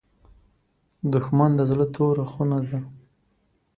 دښمن د زړه توره خونه ده